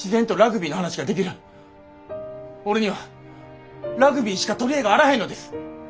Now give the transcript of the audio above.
俺にはラグビーしか取り柄があらへんのです。